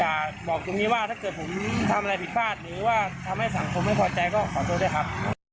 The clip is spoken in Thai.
บอกตรงนี้ว่าถ้าเกิดผมทำอะไรผิดพลาดหรือว่าทำให้สังคมไม่พอใจก็ขอโทษด้วยครับ